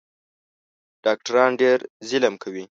ډاکټران ډېر ظلم کوي